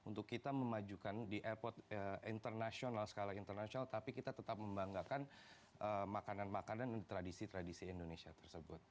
untuk kita memajukan di airport internasional skala internasional tapi kita tetap membanggakan makanan makanan dan tradisi tradisi indonesia tersebut